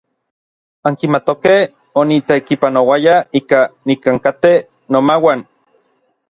Ankimatokej onitekipanouaya ika nikankatej nomauan.